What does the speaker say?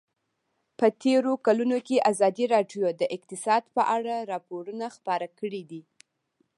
په تېرو کلونو کې ازادي راډیو د اقتصاد په اړه راپورونه خپاره کړي دي.